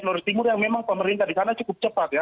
lurus timur yang memang pemerintah di sana cukup cepat ya